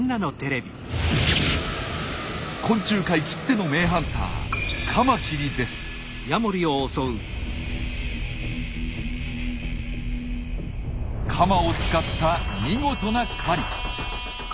昆虫界きっての名ハンターカマを使った見事な狩り。